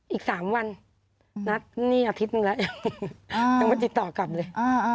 อีก๓วันนัดนี่อาทิตย์หนึ่งแล้วยังไม่ติดต่อกลับเลย